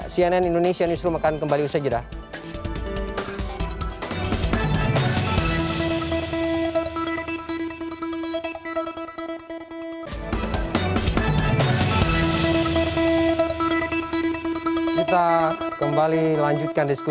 cnn indonesian newsroom akan kembali bersedia